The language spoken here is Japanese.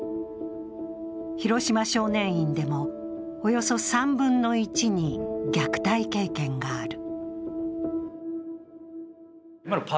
広島少年院でも、およそ３分の１に虐待経験がある。